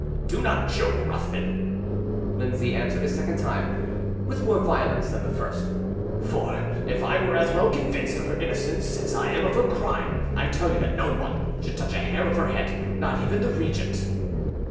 "Do not joke, Ruthven," Lindsay answered a second time, with more violence than the first; "for if I were as well convinced of her innocence as I am of her crime, I tell you that no one should touch a hair of her head, not even the regent."